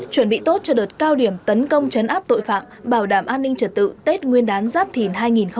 chuẩn bị tốt cho đợt cao điểm tấn công chấn áp tội phạm bảo đảm an ninh trật tự tết nguyên đán giáp thìn hai nghìn hai mươi bốn